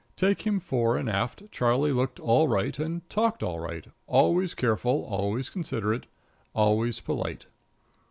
Take him fore and aft, Charlie looked all right and talked all right always careful, always considerate, always polite.